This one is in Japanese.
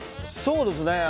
そうですね。